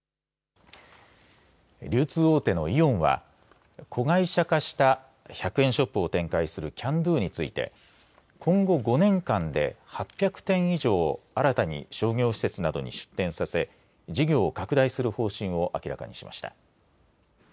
流通大手のイオンは子会社化した１００円ショップを展開するキャンドゥについて今後５年間で８００店以上を新たに商業施設などに出店させ事業を拡大する方針を明らかにしました。